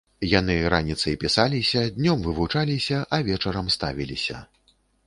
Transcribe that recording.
Яны раніцай пісаліся, днём вывучаліся, а вечарам ставіліся.